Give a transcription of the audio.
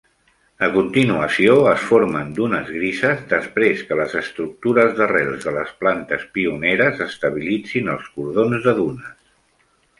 A continuació, es formen dunes grises després que les estructures d'arrels de les plantes pioneres estabilitzin els cordons de dunes.